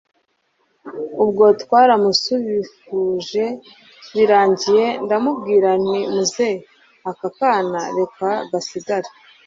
ubwo twaramusuhuje, birangiye ndamubwira nti muzeh! aka kana reka gasigare